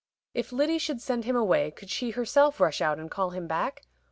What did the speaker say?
If Lyddy should send him away, could she herself rush out and call him back?